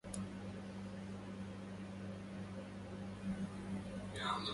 البطاطس رخيصة.